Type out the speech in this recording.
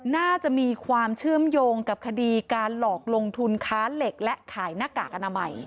น่าจะมีความเชื่อมโยงกับคดีการหลอกลงทุนค้าเหล็กและขายหน้ากากอนามัย